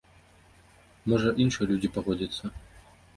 Можа, іншыя людзі пагодзяцца.